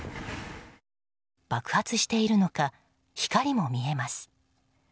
爆発しているのか、光も見えます。